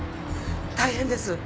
大変です！